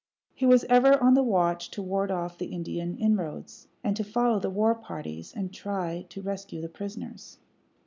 He was ever on the watch to ward off the Indian inroads, and to follow the warparties, and try to rescue the prisoners.